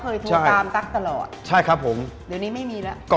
เพราะฉะนั้นถ้าใครอยากทานเปรี้ยวเหมือนโป้แตก